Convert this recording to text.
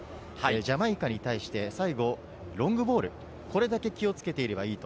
ジャマイカに対して、サイドとロングボール、これだけ気をつけていればいいと。